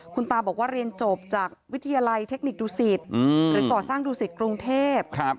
คุณตาบอกว่าเรียนจบจากวิทยาลัยเทคนิคดูสิตหรือก่อสร้างดูสิตกรุงเทพ